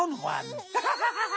アハハハハハ！